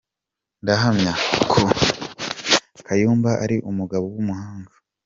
Nahamya ko Kayumba ari umugabo w’umuhanga.